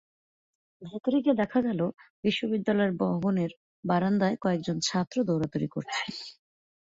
ভেতরে গিয়ে দেখা গেল, বিদ্যালয়ের ভবনের বারান্দায় কয়েকজন ছাত্র দৌড়াদৌড়ি করছে।